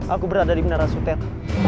aku berada di menara sutet